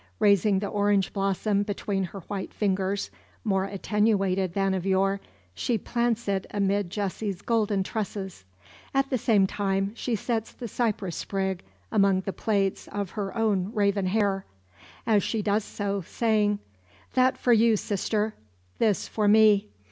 Raising the orange blossom between her white fingers, more attenuated than of yore, she plants it amid Jessie's golden tresses. At the same time she sets the cypress sprig behind the plaits of her own raven hair; as she does so, saying: "That for you, sister this for me.